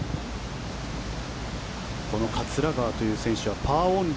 この桂川という選手はパーオン率